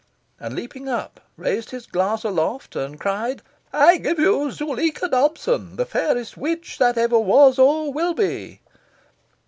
and, leaping up, raised his glass aloft and cried "I give you Zuleika Dobson, the fairest witch that ever was or will be!"